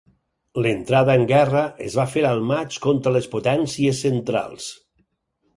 L'entrada en guerra es va fer el maig contra les Potències Centrals.